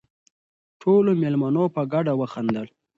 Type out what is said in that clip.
ټولو مېلمنو په ګډه وخندل.